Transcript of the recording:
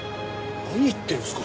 何言ってるんですか。